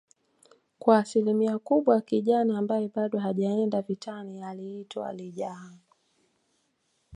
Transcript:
kwa asilimia kubwa kijana ambaye bado hajaenda vitani aliitwa lijaha